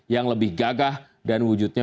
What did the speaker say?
yang lebih gagah dan wujudnya